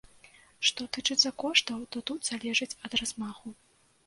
Што тычыцца коштаў, то тут залежыць ад размаху.